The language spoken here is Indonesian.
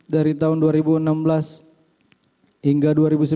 dari tahun dua ribu enam belas hingga dua ribu sembilan belas